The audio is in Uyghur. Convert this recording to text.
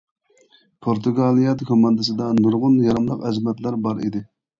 پورتۇگالىيە كوماندىسىدا نۇرغۇن ياراملىق ئەزىمەتلەر بار ئىدى!